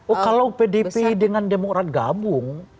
oh kalau pdp dengan demokrat gabung